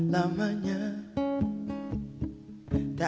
kami akan mencoba